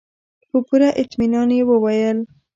په پوره اطمينان يې وويل.